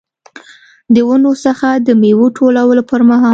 د ونو څخه د میوو ټولولو پرمهال.